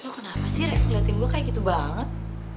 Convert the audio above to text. lo kenapa sih re ngeliatin gue kayak gitu banget